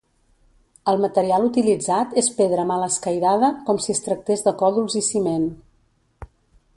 El material utilitzat és pedra mal escairada, com si es tractés de còdols i ciment.